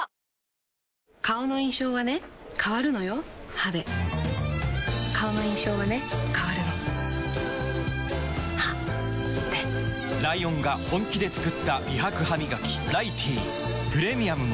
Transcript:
歯で顔の印象はね変わるの歯でライオンが本気で作った美白ハミガキ「ライティー」プレミアムも